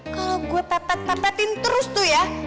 kalau gue tetet tetetin terus tuh ya